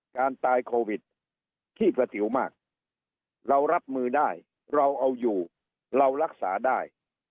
การตายโควิดขี้ประสิวมากเรารับมือได้เราเอาอยู่เรารักษาได้